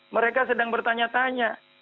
mereka sedang bertanya tanya